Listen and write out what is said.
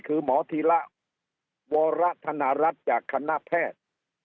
คือหมอธีระวรธนรัฐจากคณะแพทย์